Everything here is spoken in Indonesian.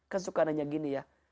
kan suka nanya gini ya